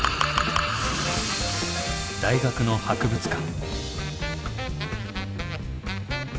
大学の博物館。